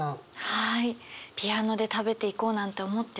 はい。